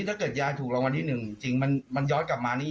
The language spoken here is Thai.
ถ้าเกิดยายถูกรางวัลที่๑จริงมันยอดกลับมายายจะทำไง